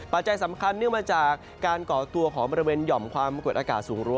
ปัจจัยสำคัญเนื่องมาจากการเกาะตัวของบริเวณยอมความประเกิดอากาศสูงรั้ว